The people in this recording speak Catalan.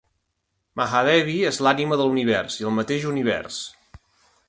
Mahadevi és l'ànima de l'univers i el mateix univers.